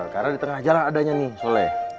karena di tengah jalan adanya nih soleh